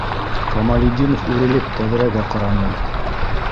Камалетдинов үрелеп тәҙрәгә ҡараны.